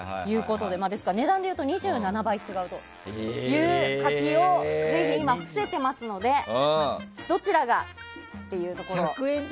ですから値段でいうと２７倍違うという柿をぜひ今、伏せていますのでどちらがっていうところ。